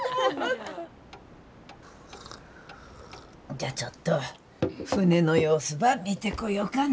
じゃあちょっと船の様子ば見てこようかね。